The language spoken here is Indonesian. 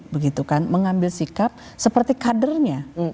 begitu kan mengambil sikap seperti kadernya